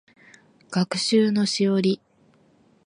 学習のしおり